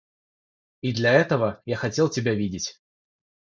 И для этого я хотел тебя видеть.